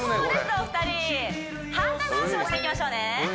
お二人反対回しもしていきましょうね